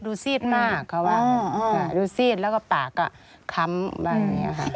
ซีดมากเขาว่าดูซีดแล้วก็ปากก็ค้ำบ้างอย่างนี้ค่ะ